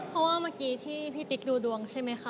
เพราะว่าเมื่อกี้ที่พี่ติ๊กดูดวงใช่ไหมคะ